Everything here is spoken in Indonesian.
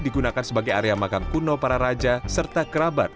digunakan sebagai area makam kuno para raja serta kerabat